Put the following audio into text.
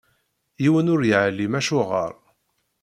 Yiwen ur yeɛlim acuɣeṛ.